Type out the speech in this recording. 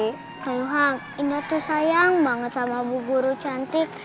kalo kita deket banget sama butari